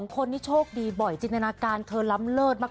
คนนี้โชคดีบ่อยจินตนาการเธอล้ำเลิศมาก